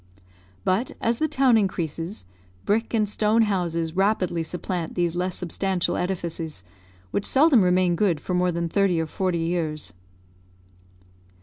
But as the town increases, brick and stone houses rapidly supplant these less substantial edifices, which seldom remain good for more than thirty or forty years.